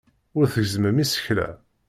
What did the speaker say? Ur tgezzmem isekla.